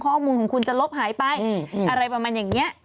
ข้อมูลของคุณจะลบหายไปอะไรประมาณอย่างนี้